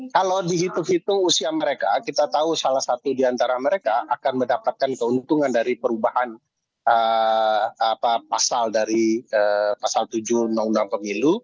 kalau dihitung hitung usia mereka kita tahu salah satu di antara mereka akan mendapatkan keuntungan dari perubahan pasal dari pasal tujuh undang undang pemilu